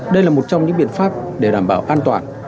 đây là một trong những biện pháp để đảm bảo an toàn